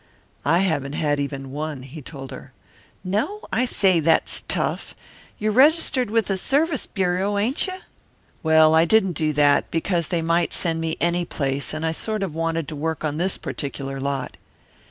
"I haven't had even one," he told her. "No? Say, that's tough. You're registered with the Service Bureau, ain't you?" "Well, I didn't do that, because they might send me any place, and I sort of wanted to work on this particular lot."